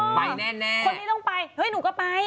คนนี้ต้องไปหนูก็ไป